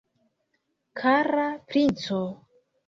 Kara princo!